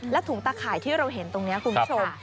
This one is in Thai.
ถุงตะข่ายที่เราเห็นตรงนี้คุณผู้ชม